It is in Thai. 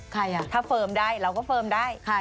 ถ้าเฟิร์มได้เราก็เฟิร์มได้